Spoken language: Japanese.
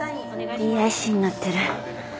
ＤＩＣになってる。